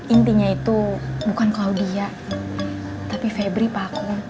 intinya itu bukan claudia tapi febri pakum